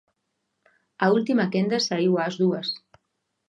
A última quenda saíu ás dúas.